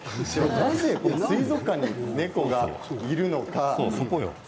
なぜ水族館に猫がいるのか。